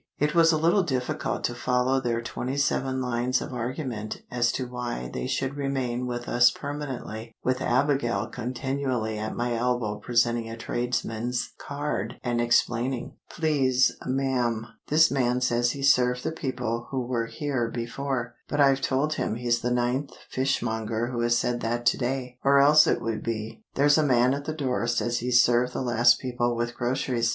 It was a little difficult to follow their twenty seven lines of argument as to why they should remain with us permanently, with Abigail continually at my elbow presenting a tradesman's card and explaining— "Please, ma'am, this man says he served the people who were here before; but I've told him he's the ninth fishmonger who has said that to day." Or else it would be, "There's a man at the door says he served the last people with groceries.